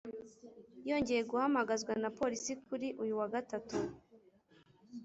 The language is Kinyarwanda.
yongeye guhamagazwa na Polisi kuri uyu wa Gatatu